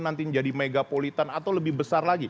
nanti menjadi megapolitan atau lebih besar lagi